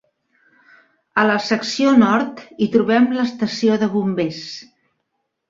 A la secció nord hi trobem l'estació de bombers.